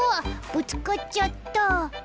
ぶつかっちゃった！